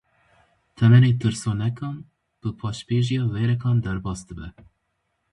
Temenê tirsonekan, bi paşbêjiya wêrekan derbas dibe.